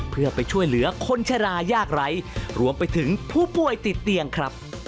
เพื่อไปช่วยเหลือคนชะลายากไร้รวมไปถึงผู้ป่วยติดเตียงครับ